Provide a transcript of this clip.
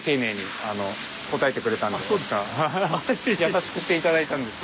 優しくして頂いたんです。